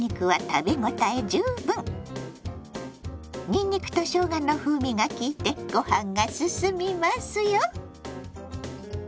にんにくとしょうがの風味がきいてごはんがすすみますよ！